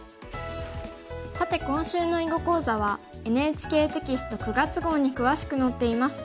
さて今週の囲碁講座はＮＨＫテキスト９月号に詳しく載っています。